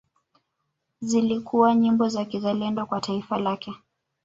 Zilikuwa nyimbo za kizalendo kwa taifa lake